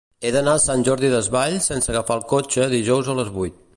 He d'anar a Sant Jordi Desvalls sense agafar el cotxe dijous a les vuit.